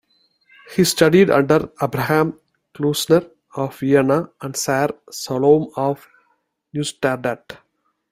He studied under Abraham Klausner of Vienna and Sar Shalom of "Neustadt".